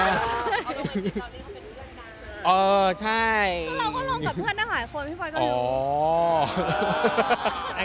เอ้าตรงไหนจีบเหล่านี่เขาเป็นเพื่อนดาลเมล่า